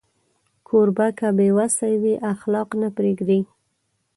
کوربه که بې وسی وي، اخلاق نه پرېږدي.